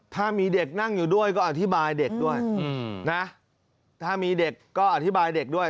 ถ้ามีเด็กนั่งอยู่ด้วยก็อธิบายเด็กด้วยนะถ้ามีเด็กก็อธิบายเด็กด้วย